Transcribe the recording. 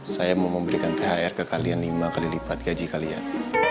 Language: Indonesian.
saya mau memberikan thr ke kalian lima kali lipat gaji kalian